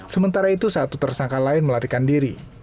sementara itu satu tersangka lain melarikan diri